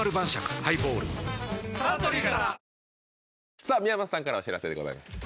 さぁ宮本さんからお知らせでございます。